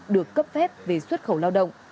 được cấp phép về xuất khẩu lao động